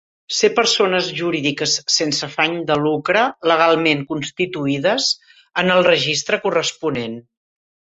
Ser persones jurídiques sense afany de lucre legalment constituïdes en el registre corresponent.